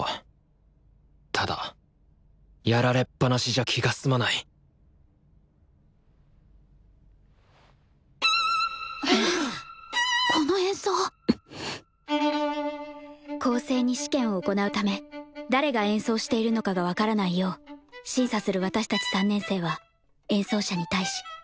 ただやられっぱなしじゃ気が済まないこの演奏公正に試験を行うため誰が演奏しているのかが分からないよう審査する私たち３年生は演奏者に対し背を向けて聴いている。